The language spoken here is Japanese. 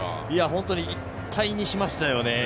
本当に一体にしましたね。